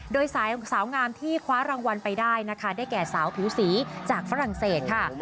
โดยสายของสาวงามที่คว้ารางวัลไปได้นะคะได้แก่สาวผิวสีจากฝรั่งเศสค่ะ